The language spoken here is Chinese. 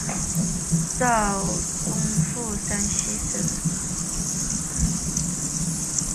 赵宗复山西省五台县东冶镇人。